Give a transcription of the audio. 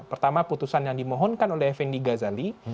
pertama putusan yang dimohonkan oleh effendi ghazali